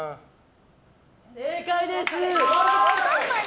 正解です！